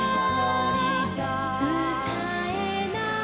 「」「うたえない」「」